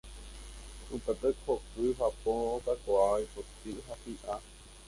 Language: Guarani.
Upépe hoky, hapo, okakuaa, ipoty ha hi'a.